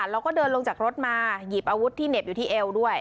แล้วก็เดินลงจากรถมาหยิบอาวุธที่เหน็บอยู่ที่เอวด้วย